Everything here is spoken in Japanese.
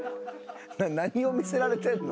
何を見せられてるの？